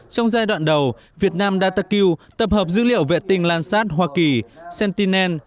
trong giai đoạn đầu việt nam datacube tập hợp dữ liệu vệ tinh lan sát hoa kỳ sentinel